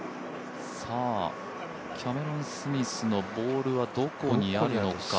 キャメロン・スミスのボールはどこにあるのか。